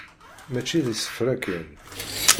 Mačči d isefra kan.